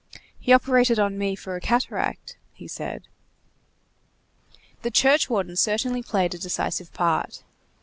"He operated on me for a cataract," he said. The churchwarden had certainly played a decisive part.